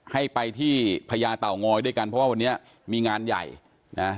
ให้ไปที่พญาเต่างอยด้วยกันเพราะว่าวันนี้มีงานใหญ่นะ